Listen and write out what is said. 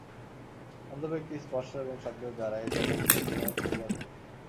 অন্ধ ব্যক্তি স্পর্শ এবং শব্দের দ্বারা এই জগৎ অনুভব করিয়া থাকে।